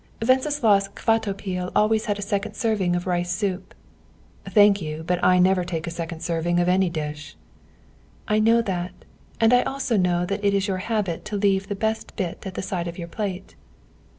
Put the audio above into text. "Wenceslaus Kvatopil always had a second serving of rice soup." "Thank you, but I never take a second serving of any dish." "I know that, and I also know that it is your habit to leave the best bit at the side of your plate."